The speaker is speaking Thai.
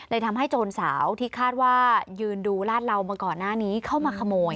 ทำให้โจรสาวที่คาดว่ายืนดูลาดเหลามาก่อนหน้านี้เข้ามาขโมย